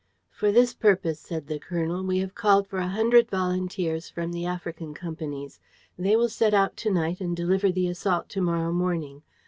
"For this purpose," said the colonel, "we have called for a hundred volunteers from the African companies. They will set out to night and deliver the assault to morrow morning.